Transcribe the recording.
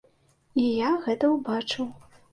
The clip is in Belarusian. І я гэта ўбачыў.